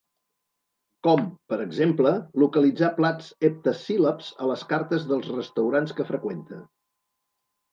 Com, per exemple, localitzar plats heptasíl·labs a les cartes dels restaurants que freqüenta.